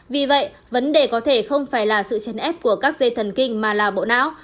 vì vậy vấn đề có thể không phải là sự chấn áp của các dây thần kinh mà là bộ não